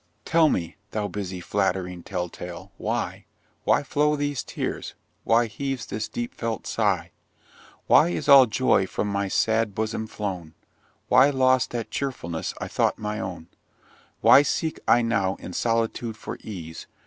Tell me, thou busy flatt'ring Telltale, why Why flow these tears why heaves this deep felt sigh, Why is all joy from my sad bosom flown, Why lost that cheerfulness I thought my own; Why seek I now in solitude for ease.